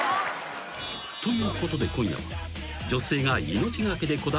［ということで今夜は］